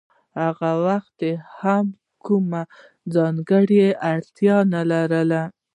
هغه وخت هم ورته کومه ځانګړې اړتیا نلري